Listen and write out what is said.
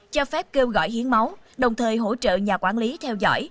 hai nghìn hai mươi cho phép kêu gọi hiến máu đồng thời hỗ trợ nhà quản lý theo dõi